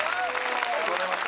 ありがとうございます！